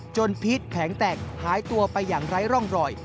จนพีดแผงแตกหายไปอย่างไร้ร่องรอย